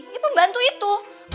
si pembantu itu